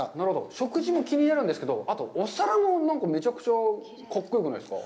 食事も気になるんですけど、あと、お皿も、めちゃくちゃかっこよくないですか？